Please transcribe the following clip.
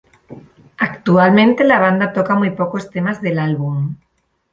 Actualmente, la banda toca muy pocos temas del álbum.